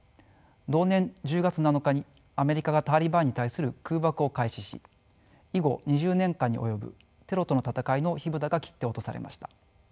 同年１０月７日にアメリカがタリバンに対する空爆を開始し以後２０年間に及ぶテロとの戦いの火蓋が切って落とされました。